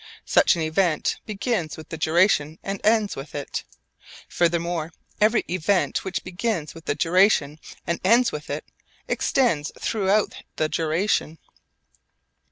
Such an event begins with the duration and ends with it. Furthermore every event which begins with the duration and ends with it, extends throughout the duration.